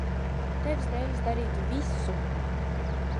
Tevis dēļ es darītu visu.